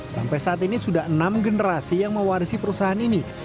sampai saat ini sudah enam generasi yang mewarisi perusahaan ini